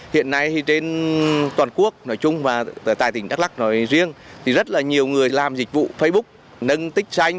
hiện nay thì trên toàn quốc nói chung và tại tỉnh đắk lắc nói riêng thì rất là nhiều người làm dịch vụ facebook nâng tích xanh